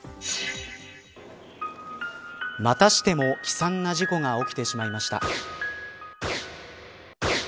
またしても悲惨な事故が起きてしまいました。